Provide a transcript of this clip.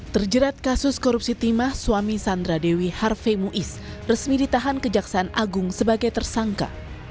terjerat kasus korupsi timah suami sandra dewi harve muiz resmi ditahan kejaksaan agung sebagai tersangka